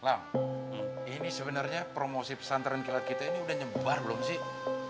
lang ini sebenernya promosi pesantren kilat kita ini udah nyempet